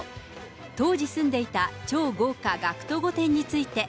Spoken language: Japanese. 当時住んでいた超豪華ＧＡＣＫＴ御殿について。